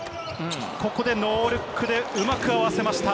ここでノールックでうまく合わせました。